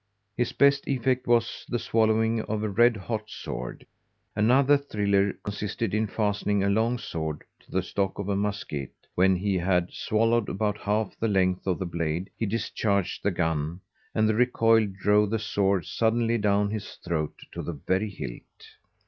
His best effect was the swallowing of a red hot sword. Another thriller consisted in fastening a long sword to the stock of a musket; when he had swallowed about half the length of the blade, he discharged the gun and the recoil drove the sword suddenly down his throat to the very hilt.